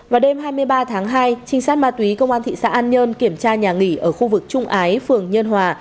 vào đêm hai mươi ba tháng hai trinh sát ma túy công an thị xã an nhơn kiểm tra nhà nghỉ ở khu vực trung ái phường nhân hòa